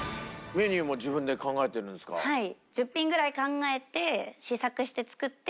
はい。